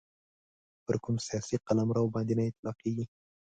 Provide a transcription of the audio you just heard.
پر کوم سیاسي قلمرو باندي نه اطلاقیږي.